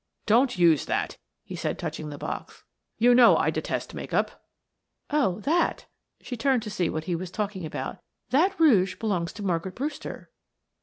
"Don't use that," he said, touching the box. "You know I detest make up." "Oh, that!" She turned to see what he was talking about. "That rouge belongs to Margaret Brewster."